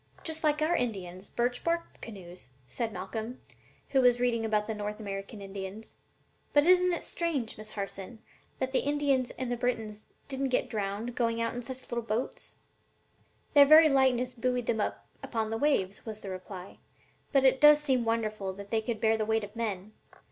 "Just like our Indians' birch bark canoes," said Malcolm, who was reading about the North American Indians. "But isn't it strange, Miss Harson, that the Indians and the Britons didn't get drowned going out in such little light boats?" "Their very lightness buoyed them up upon the waves," was the reply; "but it does seem wonderful that they could bear the weight of men.